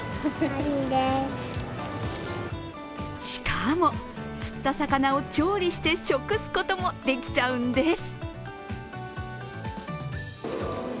しかも、釣った魚を調理して食すこともできちゃうんです。